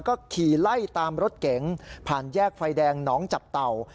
ก็ขี่ไล่ตามรถเก๋งผ่านแยกไฟแดงหนองจับเต่า